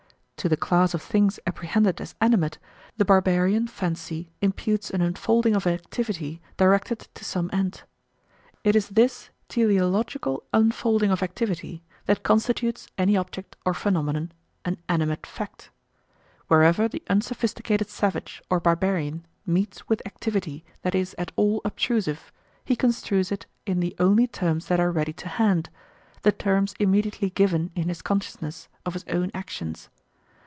To the class of things apprehended as animate, the barbarian fancy imputes an unfolding of activity directed to some end. It is this teleological unfolding of activity that constitutes any object or phenomenon an "animate" fact. Wherever the unsophisticated savage or barbarian meets with activity that is at all obtrusive, he construes it in the only terms that are ready to hand the terms immediately given in his consciousness of his own actions.